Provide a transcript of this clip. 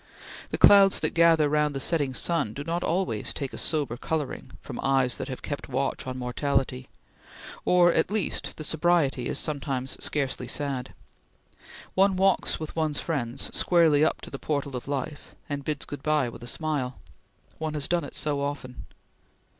The clouds that gather round the setting sun do not always take a sober coloring from eyes that have kept watch on mortality; or, at least, the sobriety is sometimes scarcely sad. One walks with one's friends squarely up to the portal of life, and bids good bye with a smile. One has done it so often!